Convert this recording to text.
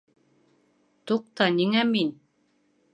Туҡта, ниңә мин?